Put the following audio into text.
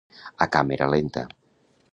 A càmera lenta.